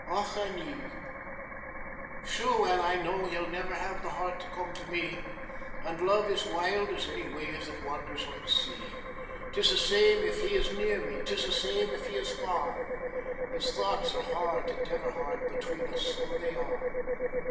Och anee! "Sure well I know he'll never have the heart to come to me, An' love is wild as any wave that wanders on the sea, 'Tis the same if he is near me, 'tis the same if he is far: His thoughts are hard an' ever hard between us, so they are.